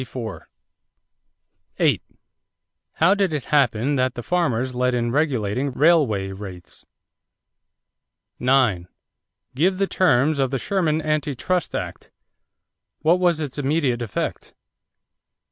How did it happen that the farmers led in regulating railway rates? 9. Give the terms of the Sherman Anti Trust Act. What was its immediate effect?